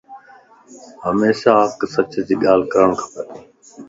ھميشا ھق سچ جي ڳالھه ڪرڻ کپ